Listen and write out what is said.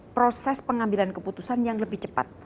proses pengambilan keputusan yang lebih cepat